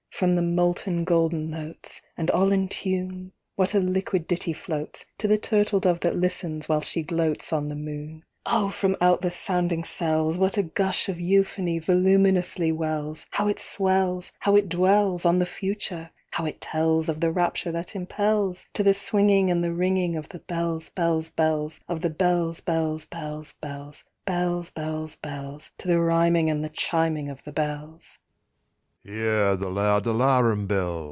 — From the molten golden notes, And all in tune, What a liquid ditty floats To the turtle dove that listens, while she gloats On the moon! Oh, from out the sounding cells, What a gush of euphony voluminously wells! How it swells! How it dwells On the Future!—how it tells Of the rapture that impels To the swinging and the ringing Of the bells, bells, bells— Of the bells, bells, bells, bells, Bells, bells, bells— To the rhyming and the chiming of the bells!